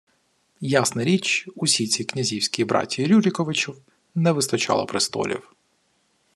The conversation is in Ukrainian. Ясна річ, усій цій князівській братії Рюриковичів не вистачало «престолів»